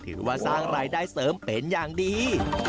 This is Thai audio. ถือว่าสร้างรายได้เสริมเป็นอย่างดี